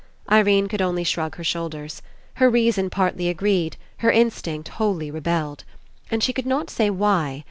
Irene could only shrug her shoulders. Her reason partly agreed, her instinct wholly rebelled. And she could not say why.